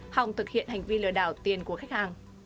hòng thực hiện hành vi lừa đảo tiền của khách hàng